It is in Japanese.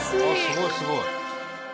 すごいすごい。